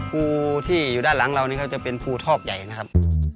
ภูที่อยู่ด้านหลังเรานี่เขาจะเป็นภูทอกใหญ่นะครับ